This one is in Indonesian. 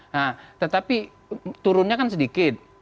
nah tetapi turunnya kan sedikit